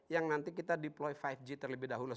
yang nanti kita deploy lima g terlebih dahulu